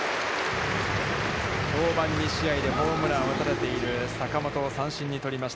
登板２試合で、ホームランを打たれている坂本を三振に取りました。